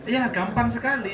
ya gampang sekali